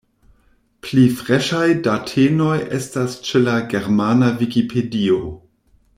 Pli freŝaj datenoj estas ĉe la Germana Vikipedio!